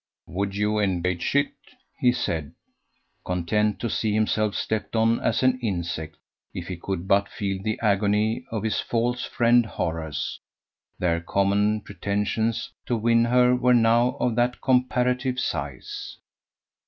"Would you engage it?" he said, content to see himself stepped on as an insect if he could but feel the agony of his false friend Horace their common pretensions to win her were now of that comparative size.